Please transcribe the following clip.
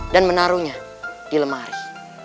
dan menaruhnya di lemari